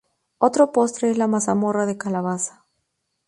Otro postre es la mazamorra de calabaza.